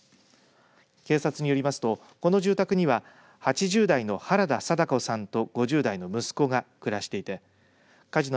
警察によりますと、この住宅には８０代の原田定子さんと５０代の息子が暮らしていて火事の